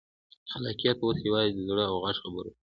خلاقیت اوس یوازې د زړه او غږ خبره ده.